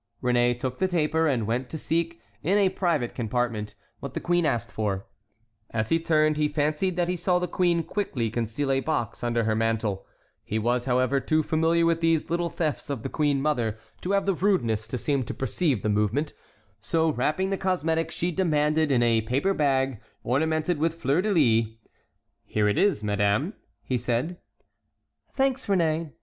Réné took the taper, and went to seek, in a private compartment, what the queen asked for. As he turned, he fancied that he saw the queen quickly conceal a box under her mantle; he was, however, too familiar with these little thefts of the queen mother to have the rudeness to seem to perceive the movement; so wrapping the cosmetic she demanded in a paper bag, ornamented with fleurs de lis: "Here it is, madame," he said.